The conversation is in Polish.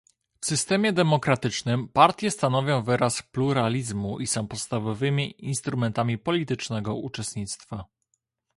W systemie demokratycznym partie stanowią wyraz pluralizmu i są podstawowymi instrumentami politycznego uczestnictwa